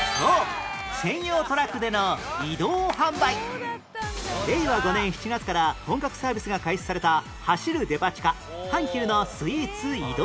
そう令和５年７月から本格サービスが開始された走るデパ地下阪急のスイーツ移動販売